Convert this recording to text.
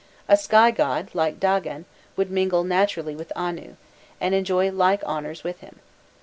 A sky god, like Dagan, would mingle naturally with Anu, and enjoy like honours with him.